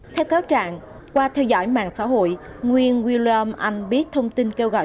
theo cáo trạng qua theo dõi mạng xã hội nguyên willom anh biết thông tin kêu gọi